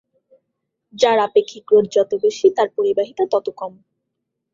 যার আপেক্ষিক রোধ যত বেশি তার পরিবাহিতা তত কম।